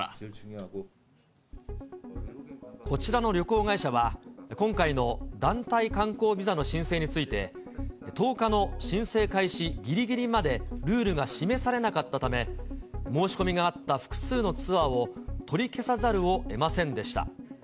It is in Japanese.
こちらの旅行会社は、今回の団体観光ビザの申請について、１０日の申請開始ぎりぎりまで、ルールが示されなかったため、申し込みがあった複数のツアーを取り消さざるをえませんでした。